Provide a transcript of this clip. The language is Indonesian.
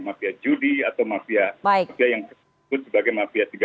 mafia judi atau mafia yang disebut sebagai mafia tiga